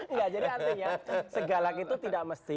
enggak jadi artinya segala itu tidak mesti